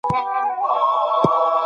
د سیالانو سره کله به سمېږې